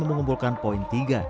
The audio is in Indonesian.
sama mengumpulkan poin tiga